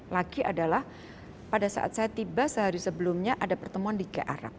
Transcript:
lagi adalah pada saat saya tiba sehari sebelumnya ada pertemuan di ke arab